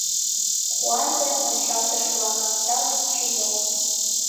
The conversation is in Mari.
Куанле ончалтыш-влак — ялт кечыйол.